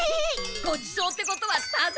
ごちそうってことはタダ？